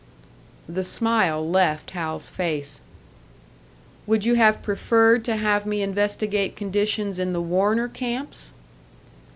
The smile left Hal's face. "Would you have preferred to have me investigate conditions in the Warner camps?"